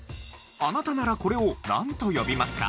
あなたならこれをなんと呼びますか？